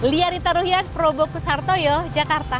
lia rita ruhyad probokus harto yoh jakarta